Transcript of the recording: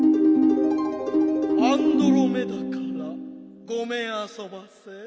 アンドロメダからごめんあそばせ。